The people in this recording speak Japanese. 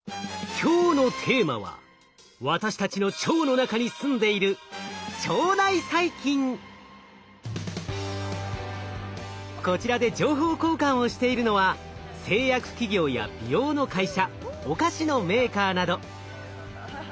今日のテーマは私たちの腸の中に住んでいるこちらで情報交換をしているのは製薬企業や美容の会社お菓子のメーカーなど。